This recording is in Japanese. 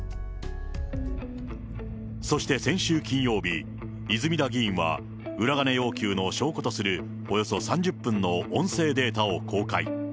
そして先週金曜日、泉田議員は裏金要求の証拠とする、およそ３０分の音声データを公開。